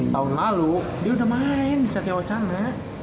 tahun lalu dia udah main di sate wacana